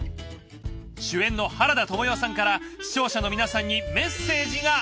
主演の原田知世さんから視聴者の皆さんにメッセージが。